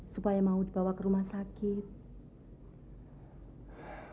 supaya mau dibawa ke rumah sakit